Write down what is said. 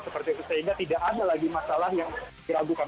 seperti itu sehingga tidak ada lagi masalah yang diragukan